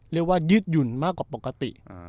เรียกว่ายืดหยุ่นมากกว่าปกติ